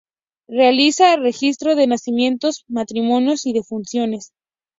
Realiza registro de nacimientos, matrimonios y defunciones.